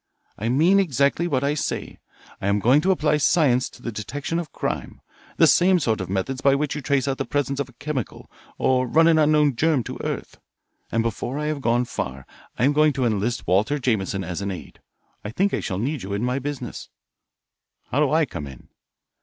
"I mean exactly what I say. I am going to apply science to the detection of crime, the same sort of methods by which you trace out the presence of a chemical, or run an unknown germ to earth. And before I have gone far, I am going to enlist Walter Jameson as an aide. I think I shall need you in my business." "How do I come in?"